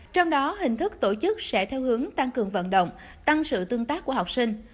trong đó hình thức tổ chức sẽ theo hướng tăng cường vận động tăng sự tương tác của học sinh